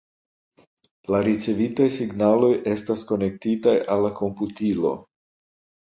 La ricevitaj signaloj estas konektitaj al la komputilo.